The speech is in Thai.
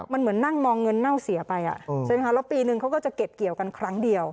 มันเหมือนนั่งมองเงินเน่าเสียไปใช่ไหมคะแล้วปีนึงเขาก็จะเก็บเกี่ยวกันครั้งเดียว